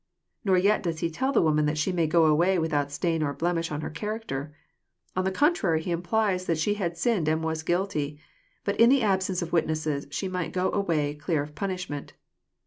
— Nor yet does He tell the woman that she may 'go away without stain or blem ish on her character. On the contrary He imfHies that she liad sinned and was guilty. But in the absence of witnesses she might go awayTlear of punishment.